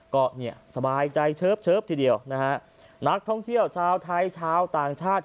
ก็เนี่ยสบายใจเชิฟทีเดียวนะฮะนักท่องเที่ยวชาวไทยชาวต่างชาติ